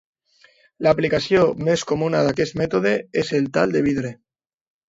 L'aplicació més comuna d'aquest mètode és el tall de vidre.